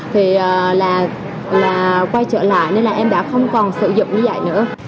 thì là quay trở lại nên là em đã không còn sử dụng như vậy nữa